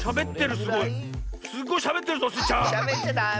すっごいしゃべってるぞスイ